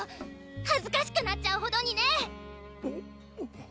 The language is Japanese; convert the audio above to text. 恥ずかしくなっちゃうほどにね！